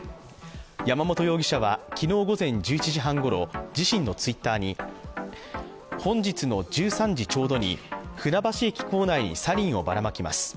山本容疑者は昨日午前１１時半ごろ自身のＴｗｉｔｔｅｒに、本日の１３時ちょうどに、船橋駅構内にサリンをばらまきます。